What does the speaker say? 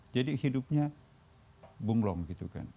jadi hidupnya bunglong gitu kan